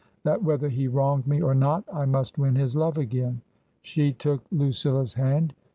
That whether he wronged me or not, I must win his love again." She took Lucilla's hand.